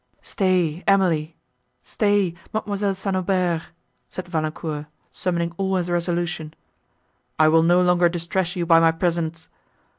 "Stay, Emily, stay, mademoiselle St. Aubert!" said Valancourt, summoning all his resolution, "I will no longer distress you by my presence.